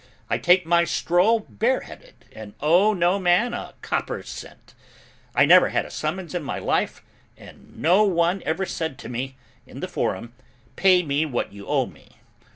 I take my stroll bareheaded and owe no man a copper cent. I never had a summons in my life and no one ever said to me, in the forum, pay me what you owe me.